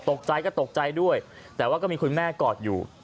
ตกใจก็ตกใจด้วยแต่ว่าก็มีคุณแม่กอดอยู่